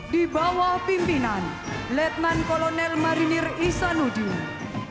di bawah pimpinan mayor infantri medi harjo wibowo